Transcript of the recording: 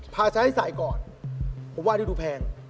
พาใช้สายก่อนผมว่าที่ดูแพง